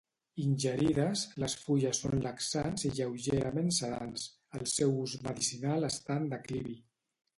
Ingerides, les fulles són laxants i lleugerament sedants, El seu ús medicinal està en declivi.